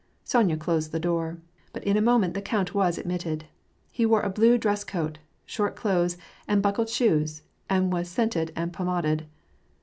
Sonya closed the door. But in a moment the count was ad mitted. He wore a hlue dress coat, short clothes, and hnckled shoes, and was scented and pomaded.